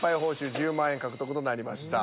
１０万円獲得となりました。